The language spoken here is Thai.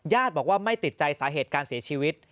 บอกว่าไม่ติดใจสาเหตุการเสียชีวิต